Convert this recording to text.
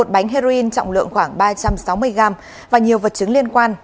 bán heroin trọng lượng khoảng ba trăm sáu mươi g và nhiều vật chứng liên quan